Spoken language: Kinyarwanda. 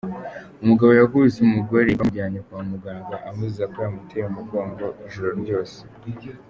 Umugabo yakubise umugore bamujyana kwa muganaga amuziza ko yamuteye umugongo ijoro ryose.